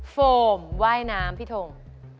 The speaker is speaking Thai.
โฟมว่ายน้ำพี่ทง